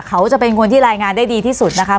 เขาจะเป็นคนที่รายงานได้ดีที่สุดนะคะ